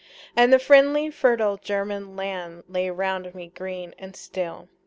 And the friendly fertile German land Lay round me green and still.